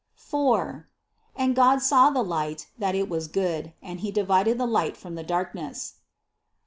4. "And God saw the light that it was good; and he divided the light from the darkness.